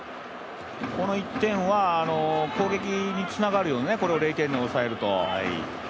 この１点は、攻撃につながるよね、これを０点に抑えると。